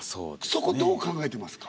そこどう考えてますか？